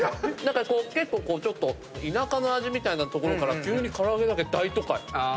結構ちょっと田舎の味みたいなところから急に唐揚げだけ大都会。